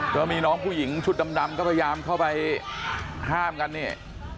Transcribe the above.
ก็มีน้องผู้หญิงชุดดำก็พยายามเข้าไปห้ามกันนี่